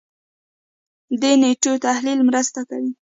دې نېټو تحلیل مرسته کوي.